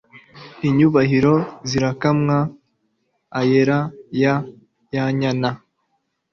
inyubahiro zirakamwa ayera ya yanyana